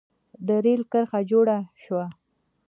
د رېل کرښه جوړه شوه.